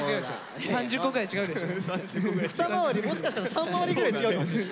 ３０個２回りもしかしたら３回りぐらい違うかもしれない。